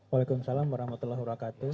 waalaikumsalam warahmatullahi wabarakatuh